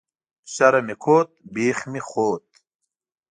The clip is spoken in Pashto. شرم مې کوت ، بيخ مې خوت